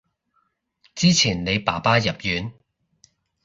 之前你爸爸入院